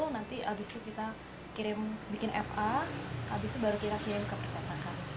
nanti abis itu kita bikin fa abis itu baru kita kirim ke persetakan